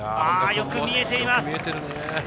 よく見えています。